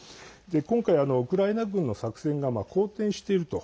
今回、ウクライナ軍の作戦が好転していると。